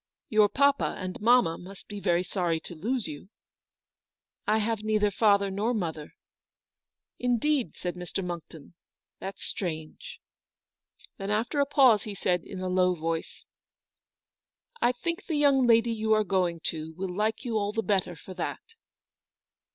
Your papa and mamma must be very sorry to lose you ?"" I have neither father nor mother." " Indeed !" said Mr. Monckton ;« that's strange." GILBERT MONCKTOX. 215 Then after a pause lie said, in a low voice :" I think the young lady you are going to will like you all the better for that.